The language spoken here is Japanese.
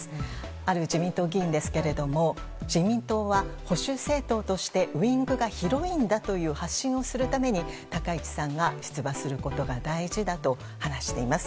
ある自民党議員ですが自民党は保守政党としてウィングが広いんだという発信をするために高市さんが出馬することが大事だと話しています。